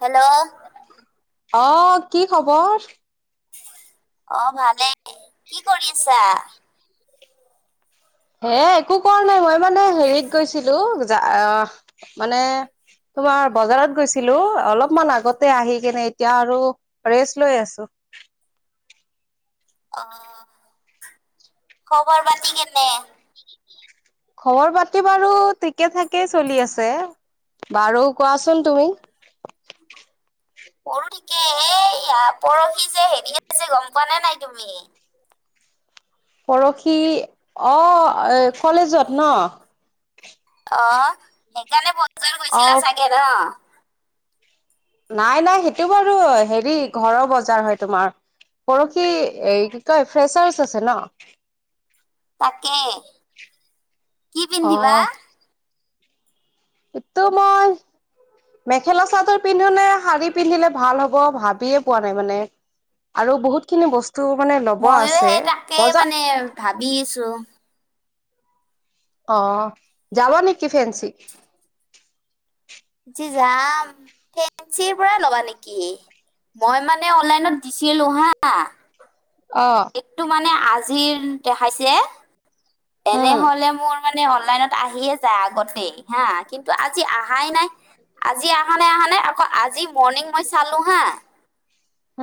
Hello আহ কি খবৰ? অ ভালেই কি কৰি আছা? হে একো কৰা নাই মই মানে হেৰিত গৈছিলো আহ মানে তোমাৰ বজাৰত গৈছিলো অলপমান আগতে আহি কেনে এতিয়া আৰু ৰেষ্ট লৈ আছো। [unintelligible] অ খবৰ বাতি কেনে খবৰ পাতি বাৰু ঠিকে থাকে চলি আছে। বাৰু কোৱাচোন তুমি [unintelligible] মোৰো ঠিকে এই ই পৰহি যে হেৰি আহিছে যে গম পোৱা নে নাই তুমি। পৰহি অ এ কলেজত ন। অ সেইকাৰণে বজাৰ গৈছিলা অ', চাগে ন। নাই নাই সেইটো বাৰু হেৰি ঘৰৰ বজাৰ হয়। তোমাৰ পৰহি এই কি কয় ফ্ৰেচাৰ্চ আছে ন। তাকে কি পিন্ধিবা? অ', এইটো মই মেখেলা চাদৰ পিন্ধো নে শাড়ী পিন্ধিলে ভাল হ'ব ভাবিয়ে পোৱা নাই মানে আৰু বহুত খিনি বস্তু মানে লব ময়ো আছে সেই তাকে বজাৰ। মানে ভাবি আছো আহ যাব নেকি ফেন্ঞ্চি যাম ফেঞ্চিৰ পৰা ল'বা নেকি মই মানে অনলাইনত দিছিলো হা অ এইটো মানে আজিৰ দেখাইছে উম তেনেহলে মোৰ মানে অনলাইনত আহিয়ে যায় আগতে হা কিন্তু আজি অহাই নাই আজি অহা নাই নাই মানে আকৌ আজি মৰ্ণিং মই চালো হা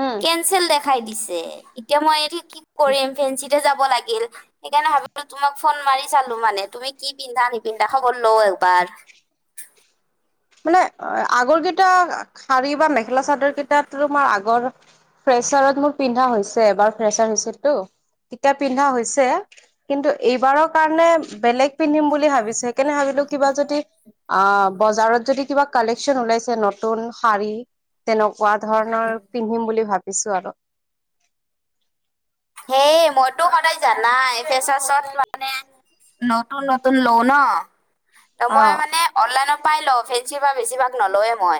উম কেনচেল দেখাই দিছে এতিয়া মই এই কি কৰিম ফেঞ্চি যাব লাগিল সেইকাৰণে ভাব তোমাক ফোন মাৰি চালো মানে তুমি কি পিন্ধা নিপিন্ধা খবৰ ল‌ও এবাৰ [inaudible] মানে আগৰ কেইটা শাড়ী বা মেখেলা চাদৰ কেইটাত তোমাৰ আগৰ ফ্ৰেছাৰত মোৰ পিন্ধা হৈছে বাৰ ফ্ৰেচাৰ হৈছেতো তেতিয়া পিন্ধা হৈছে কিন্তু এইবাৰৰ কাৰণে বেলেগ পিন্ধিম বুলি ভাবিছো সেইকাৰণে ভাবিছো। কিবা যদি আ বজাৰত যদি কিবা কালেকচন ওলাইছে নতুন শাৰী তেনেকুৱা ধৰণৰ পিন্ধিম বুলি ভাবিছোঁ। দিছো আৰু সেই মইতো সদায় জানাই ফেচাত মানে নতুন নতুন লওঁ ন ত অ মই মানে অনলাইন চাই লও ফেঞ্চিৰ পৰা বেছিভাগ নল‌ও এ মই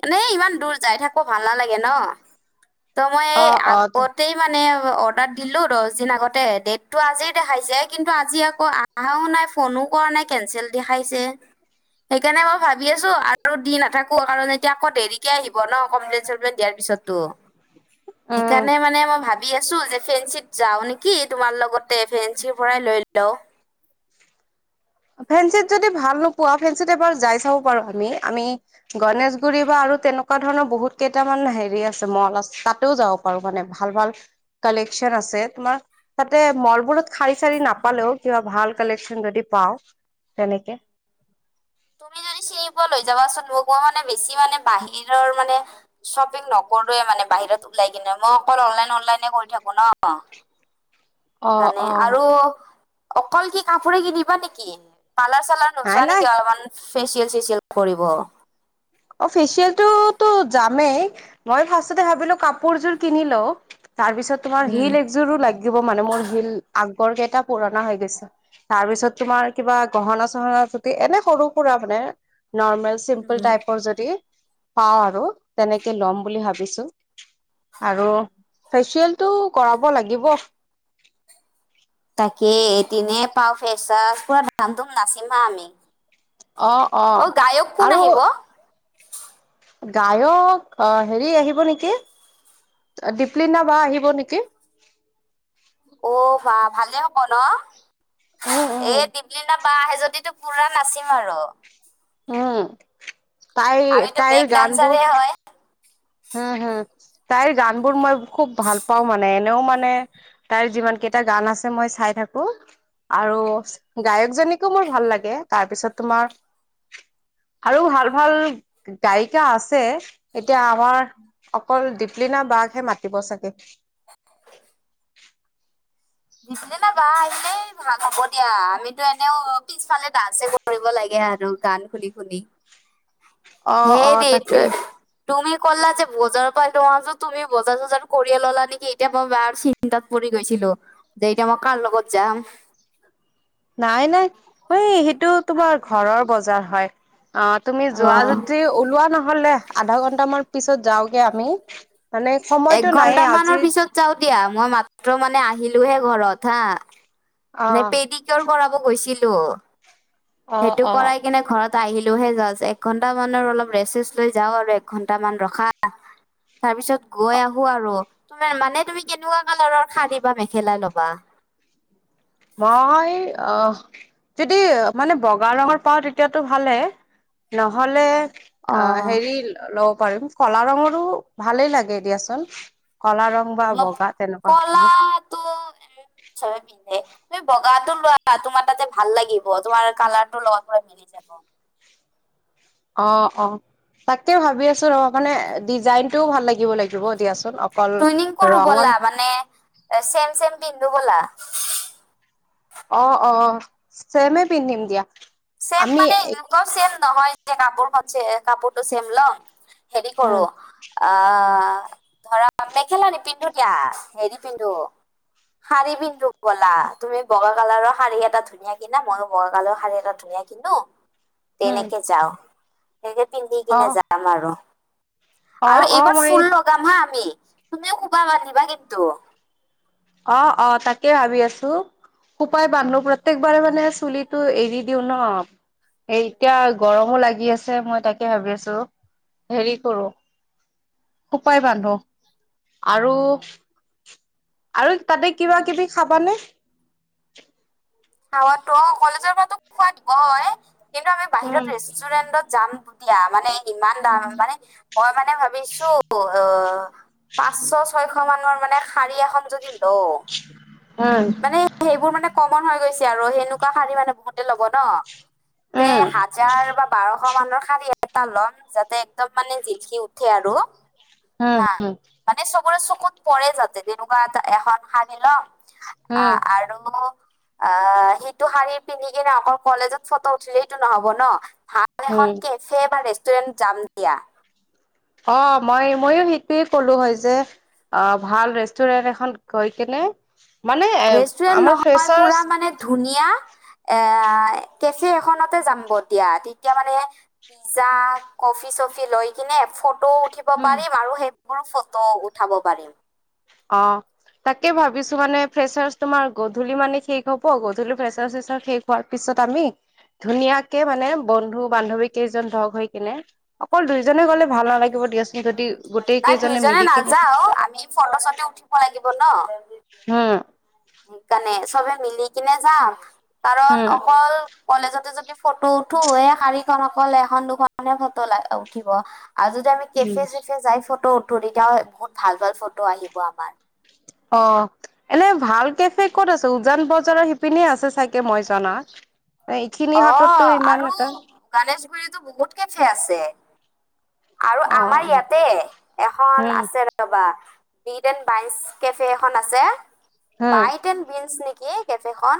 মানে ইমান দূৰ যাই থাকো ভাল নালাগে ন ত মই এই অ অ আগতে অৰ্ডাৰ দিলো দহ দিন আগতে ডেটটো আজি দেখাইছে কিন্তু আজি আকৌ অহাও নাই ফোনো কৰা নাই কেনচেল দেখাইছে সেইকাৰণে মই ভাবি আছো আৰু দি নথাকো কাৰণ এতিয়া আকৌ দেৰিকে আহিব ন কমপ্লেইন চমপ্লেন দিয়াৰ পি পিছো উম সেইকাৰণে মানে ম ভাবি আছো যে ফেঞ্চিত যাও নেকি তোমাৰ লগতে ফেঞ্চিৰ পৰাই লৈ লও ফেঞ্চি যদি ভাল নোপোৱা ফেঞ্চিত এবাৰ যাই চাব পাৰো আমি আমি গনেশগুৰি বা আৰু তেনেকুৱা ধৰণৰ বহুত কেইটামান হেৰি আছে মল আছে তাতেও যাব পাৰো মানে ভাল ভাল কলেকশ্যচন আছে তোমাৰ তাতে মলবোৰত শাৰী চাৰি নাপালেও কিবা ভাল কালেকশ্যন যদি পাওঁ তেনেকে তুমি যদি চিনি পোৱা লৈ যাবা চুন মোক মই মানে বেছি মানে বাহিৰৰ মানে শ্বপিং নকৰোৱে মানে বাহিৰত উওলাই কিনে মই অনলাইন অনলাইনে কৰি থাকো ন অ সেইকাৰণে অ আৰু অকল কি কাপোৰে কিনিবা নেকি পালাৰ চালাৰ নাই নোযোৱা নাই নেকি অলপমান ফেচিয়েল চেচিয়েল কৰিব অ ফেচিয়েলটোতো যামেই মই ফাৰ্ষ্টততে ভাবিলো কাপোৰযোৰ কিনি লওঁ তাৰ পিছত তোমাৰ উম, শিল একযোৰো লাগিব মানে মোৰ শিল আগৰ কেইটা পুৰণা হৈ গৈছে। তাৰ পিছত তোমাৰ কিবা গহনা চহনা প্ৰতি এনে সৰু সুৰা মানে নৰ্মেল চিম্পল উম। টাইপ, পাও আৰু তেনেকে লম বুলি ভাবিছো আৰু ফেচিয়েলতটো কৰাব লাগিব পাৱ ফেচাচ পৰা নাচিম হা আমি অ অ গায়ক কোন আৰু আহিব? গায়ক অ হেৰি আহিব নেকি? দিপ্লিনা বা আহিব নেকি? অ' বা ভালে হ'ব ন উম, এ উম, দিপ্লিনা আহে যদি তো পুৰা নাচিম আৰু উম তাই আমিতো বেক তাইৰ ডান্সাৰে গানবোৰ হয়। হম হুম তাইৰ গান বোৰ মই খুব ভাল পাও, মানে এনেও মানে তাইৰ যিমান, কেইটা গান আছে মই চাই থাকো। আৰু গায়কজনীকো মোৰ ভাল লাগে। তাৰ পিছত তোমাৰ [unintelligible] আৰু ভাল ভাল গায়িকা আছে। এতিয়া আমাৰ অকল দিপলিনা বাক হে মাতিব চাগে। দিপলীনা বা আহিলেই ভাল হব দিয়া। আমিতো এনেও, পিছফালে ডান্সে কৰিব লাগে আৰু গান শুনি শুনি। অ অ হেৰিত তাকেই। তুমি কলা যে বজাৰৰ পৰা লো তুমি বজাৰ চজাৰ কৰিয়ে ললা নেকি, এতিয়া মই বাৰ চিন্তাত পৰি গৈছিলো। দেৰিকে মই কাৰ লগত যাম। নাই নাই, অ সেইটো তোমাৰ ঘৰৰ বজাৰ হয়। অ তুমি অ যোৱা যদি ওলোৱা নহলে আধা ঘন্টামান পিছত যাওগে আমি। মানে সময়তো এক নাইয়ে ঘণ্টা আজি মানৰ পিছত যাওঁ দিয়া। মই মাত্ৰ মানে আহিলোহে ঘৰত হা। নে অ', পেডিকৰ কৰাব গৈছিলো। অ', সেইটো অ', কৰাই কিনে ঘৰত ত আহিলোহে জাছ, একঘণ্টা মানৰ অলপ ৰেষ্ট চেষ্ট লৈ যাওঁ আৰু এক ঘন্টামান ৰখা। তাৰ পিছত গৈ আহো আৰু। তোমাৰ মানে তুমি কেনেকুৱা কালাৰৰ শাৰী বা মেখেলা ল'বা? মই আহ যদি মানে বগা ৰঙৰ পাওঁ তেতিয়াতটো ভালে। নহলে, অ হেৰি ল'ব পাৰিম কলা ৰঙৰো ভালেই লাগে এ দিয়াচোন। কলা ৰং বা ম বগা তেনেকুৱা ধৰণৰ কলাটো ছবে পিন্ধে। তুমি বগাটো লোৱা, তোমাৰ তাতে ভাল লাগিব। তোমাৰ কালাৰটো লগ মিলি যাব। অ অ তাকে ভাবি আছো ৰ, মানে ডিজাইন টোও ভাল লাগিব লাগিব দিয়াচোন। অকল টুইনিং কৰো ৰঙৰ ব'লা, মানে চেম চেম পিন্ধো ব'লা। অ অ, চেমে পিন্ধিম দিয়া। চেম আমি মানে এনেকুৱা চেম নহয় যে কাপোৰ খ কাপোৰটো চেম লওঁ। হেৰি কৰো উম, অ, ধৰা মেখেলা নি পিন্ধো দিয়া। হেৰি পিন্ধো শাৰী পিন্ধো বলা। তুমি বগা কালৰ শাৰী এটা ধুনীয়াকে কিনা, মইয়ো বগা কালৰ শাৰী এটা ধুনীয়া কিন্তু, উম, তেনেকে যাও তেনেকে পিন্ধি কিনে অ', যাম আৰু। আৰু অ', অ', এইবাৰ মই ফুল লগাম হা আমি, তুমিও খোবা বান্ধিবা কিন্তু। অ অ তাকে ভাবি আছো। খোপাই বান্ধো, প্ৰত্যেকবাৰে মানে চুলিটো এৰি দিওঁ ন। এই এতিয়া গৰমো লাগি আছে, মই তাকে ভাবি আছো হেৰি কৰো, খোপাই বান্ধো। আৰু আৰু তাতে কিবা কিবি খাবানে? খাৱ তো কলেজৰ পৰা খোৱাত কয়। কিন্তু আমি বাহিৰত উম ৰেষ্টুৰেন্টত যাম। এতিয়া মানে, ইমান দাম মানে মই মানে ভাবিছো অ' পাঁচশ ছয়শ মানৰ, শাৰী এখন যদি লও, উম মানে সেইবোৰ মানে কলা হৈ- আৰু সেনেকুৱা শাৰী মানে বহুতে ল'ব ন। উম হাজাৰ বা বাৰ শ মানৰ শাৰী এটা লম, যাতে একদম মানে জিলিকি উঠে আৰু। হম হম। ৰে চকুত পৰে যাতে, তেনেকুৱা এ এখন সানি লম উম আহ আৰু আহ সিটো শাৰী পিন্ধি কিনে অকল কলেজত ফটো উঠিলে এইটো নহ'ব ন। হ উম এখন কেফে বা ৰেষ্টুৰেণ্ট জাম দিয়া। অ' মই ময়ো সেইটোৱে কলো হয় যে, অ' ভাল ৰেষ্টুৰেণ্ট এখন গৈ কেনে মানে ৰেষ্টুৰেন্ট আমাৰ নহয় ফ্ৰেচাৰ, পুৰা মানে ধুনীয়া এ কেফে এখনতে যাম বদিয়া তেতিয়া মানে পিজ্জা কফি চফি লৈ কিনে ফটো উঠিব উম পাৰিম আৰু সেইবোৰ ফটো উঠাব পাৰিম। অ' তাকে ভাবিছো মানে। ফ্ৰেচাৰ তোমাৰ গধূলি মানে শেষ হ'ব গধূলি ফেচাৰ চেচাৰ শেষ হোৱাৰ পিছত তাচত আমি ধুনীয়াকে মানে বন্ধু বান্ধৱী কেইজন লগ হৈ কিনে অকল দুইজনে গ'লে ভাল নালাগিব। [unintelligible] নাই কেইজনে তইজনে মিলি কিনে নাযাওঁ‌। আমি ফলচতে উঠিব লাগিব ন। হা সেইকাৰণে চবে মিলি কিনে যাম কাৰণ হম অকল কলেজতে যদি ফটো উঠো শাৰীখন অক এখন দুখন হে ফটো ল উঠিব। আৰু যদি আমি কেফে চেফে যাই ফটো উঠো তেতিয়া বহুত ভাল ভাল ফটো আহিব আমাৰ। অ' এনে ভাল কেফে ক'ত আছে? উজান বজাৰৰ শিপিনীয়ে আছে চাগে মই জনাত। এইখিনি হাততো অ' ইমান আৰু এটা গণেশগুৰিতো বহুত কেফে আছে। আৰু অ আমাৰ ইয়াতে এখন উম আছে ৰ'বা। বিট এণ্ বাইন কেফে এখন আছে। হম বাইট এণ্ড বিন্চ নেকি? কেফে খন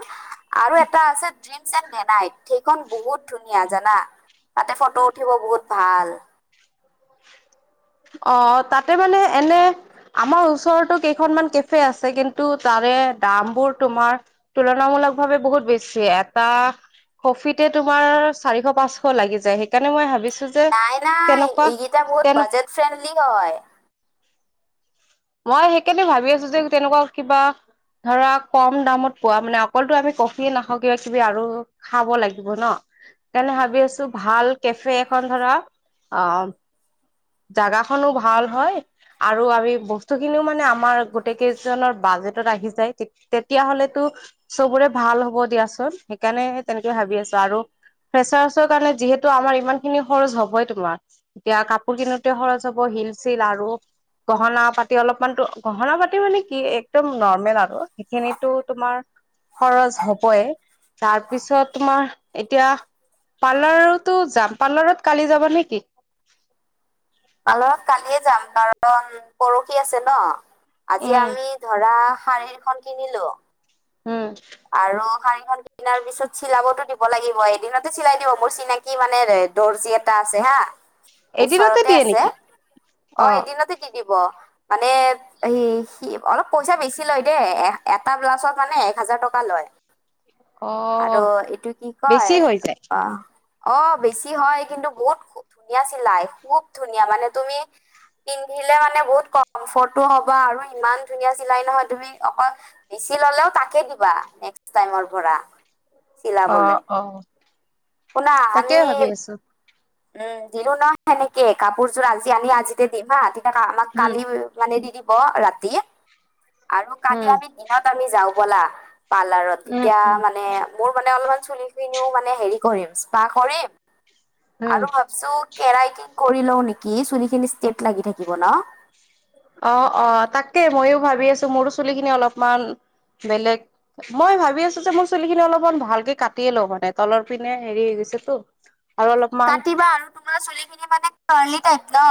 আৰু এটা আছে। ডিমচ এ নাই সেইখন বহুত ধুনীয়া জানা তাতে ফটো উঠিব বহুত ভাল। অ' তাতে মানে এনে আমাৰ ওচৰতো কেইখনমান কেফে আছে। কিন্তু তাৰে দাম বোৰ তোমাৰ তুলনামূল ভাৱ বহুত বেছি এটা কফিতে তোমাৰ চাৰিশ পাঁচশ লাগি যায়। সেইকাৰণে মই ভাবিছো যে নাই নাই তেনেকুৱা এইকেইটা বহুত তেনে বাজেট ফ্ৰেণ্ডলি হয়। মই সেইকাৰণে ভাবি আছো যে তেনেকোৱা কিবা। ধৰা কম দামত পোৱা মানে অকলতো আমি কফিয়ে নাখাওঁ। কিবা কিবি আৰু খাব লাগিব ন সেইকাৰণে ভাবি আছো ভাল কেফে এখন ধৰা অ' জাগাখনো ভাল হয়। আৰু আমি বস্তু খিনিও মানে আমাৰ গোটেই কেইজনৰ বাজেটত আহি যায়। তেতিয়া হলেতো চবোৰে ভাল হ'ব দিয়াচোন। সেইকাৰণে তেনেকে ভাবি আছো আৰু ফ্ৰেচাৰছৰ কাৰণে যিহেতু আমাৰ ইমান খিনি খৰচ হবই তোমাৰ এতিয়া কাপোৰ কিনো সৰজ হ'ব শিল চিল আৰু গহনা পাতি অলপমানো গহনা পাতি মানে কি একদম নৰ্মেল আৰু সেইখিনিটো তোমাৰ খৰচ হবই তাৰপিছত তোমাৰ এতিয়া পাৰ্লাৰতো যাম পাৰ্লাৰত কালি যাব নেকি? অলপ কালিয়ে যাম কাৰণ পৰহি আছে ন। আজি উম আমি ধৰা শাৰী এখন কিনিলো। উম আৰু শাৰীখন কিনাৰ পিছত চিলাবতো দিব লাগিব এদিনতে চিলাই দিব মোৰ চিনাকি মানেৰে দৰ্জি এটা আছে হা এদিনতে ওচৰতে দিয়ে আছে নেকি? অ এদিনতে দি দিব মানে এ স অলপ পইচা বেছি লয়। দেই এ এটা ব্লাছত মানে এক হাজাৰ টকা লয় আৰু অ', এইটো কি বেছি কয় হৈ যায়। আহ অ বেছি হয় কিন্তু বহুত ধুনীয়া চিলাই খুব ধুনীয়া মানে তুমি- পিন্ধিলে মানে বহুত কমফৰ্টটো হ'বা আৰু ইমান ধুনীয়া চিলাই নহয় তুমি অকল- হলেও তাকে দিবা নেক্স টাইমৰ পৰা। অ চিলাবলৈ অ শুনা তাকে আমি ভাবি আছো। উম দিলো নহয় সেনেকে কাপোৰযোৰ আজি আনি আজিতে দিম হা আমাক উম, কালি মানে দি দিব ৰাতি আৰু কালি উম, আমি দিনত আমি যাওঁ বলা পাৰ্লাৰত উম, তেতিয়া উম, মানে মোৰ মানে অলপমান চুলি খিনিও মানে হে কৰিম স্পা কৰিম উম। আৰু ভাবিছো কেৰাটিন কৰি লও কি চুলিখিনি ষ্টেট লাগি থাকিব ন অ অ তাকে ময়ো ভাবি আছো মোৰো চুলিখিনি অলপমান বেলেগ মই ভাবি আছো যে মোৰ চুলিখিনি অলপমান ভালকে কাটিয়ে লওঁ মানে তলৰ পিনে হেৰি ছে তো কাটিবা আৰু তোমাৰ চুলিখিনি মানে কাৰ্লি টাইপ ন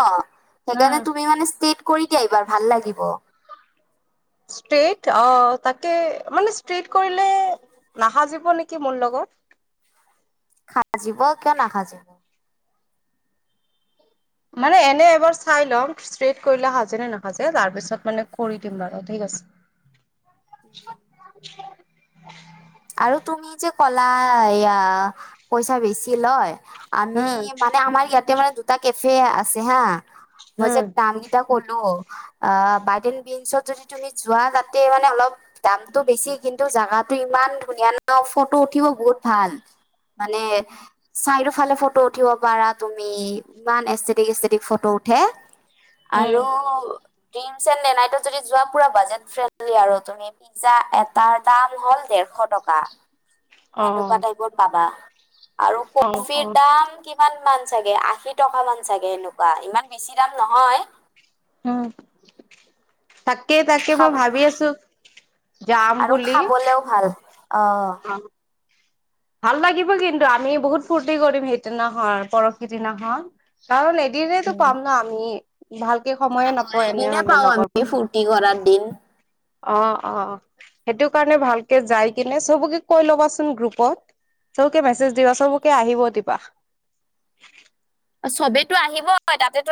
উম, সেইকাৰণে তুমি মানে ষ্টেট কৰি দিয়া এইবাৰ ভাল লাগিব ষ্ট্ৰেইট অ তাকে মানে ষ্ট্ৰেইট কৰিলে নাহাজিব নেকি মোৰ লগত [inaudible] সাজিব কিয় নাসাজিব মানে এনে এবাৰ চাই ল'ম ষ্ট্ৰেট কৰিলে সাজে নে নাখাজে তাৰ পিছত মানে কৰি দিম আৰু ঠিক আছে [inaudible] [unintelligible] আৰু তুমি যে কলা এয়া পইচা বেছি লয় আমি উম, মানে আমাৰ ইয়াতে মানে দুটা কেফে আছে হা মই যে উম, তাম কেইটা ক'লো অ বাইডেন বিনচত যদি তুমি যোৱা তাতে মানে অলপ দামতটো বেছি কিন্তু জাগাত টো ইমান ধুনীয়া ন ফটো উঠিব বহুত ভাল মানে চাইও ফালে ফটো উঠিব পাৰা তুমি ইমান এষ্টেটিক এষ্টেটিক ফটো উ উঠে আৰু উম। ড্ৰিমছেনলে নাইটত যদি যোৱা পুৰা বাজেট ফ্ৰী হ'ব তুমি পিজ্জা আটা দাম হল এশ টকা সেনেকুৱা অ', টাইপৰ পাবা। আৰু অ', কফিৰ অ', দাম কি কিমান মান চাগে আশী টকা মান চাগে এনেকুৱা ইমান বেছি দাম নহয়। উম তাকে তাকে খাব মই ভাবি আছো যাম বুলি অহ অ', ভাল লাগিব কিন্তু আমি বহুত ফূৰ্তি কৰিম সেইদিনাখন পৰখিদিনাখন কাৰণ এদিনেতো পাম ন আমি ভালকে সময়ে নাপায় এদিনে এনেহলে পাও আমি লগৰবোৰে। ফূৰ্তি কৰাৰ দিন অহ অহ সেইটো কাৰণে ভালকে যাই কিনে চবকে কৈ ল'বাচোন গ্ৰুপত চবকে মেছেজ দিব চবকে আহিব দিবা চবেতো আহিব তাতে তোৰ